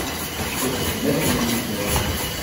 Yexdem akken yezmer.